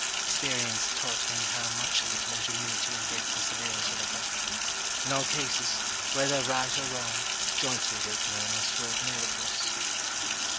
Experience taught me how much a little ingenuity and great perseverance will effect. In all cases, whether of right or wrong, jointly they can almost work miracles.